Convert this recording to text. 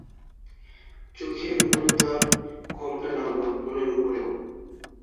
চোখের উপরে তাঁর ঘোমটা নামল, মনের উপরেও।